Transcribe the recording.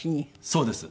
そうです。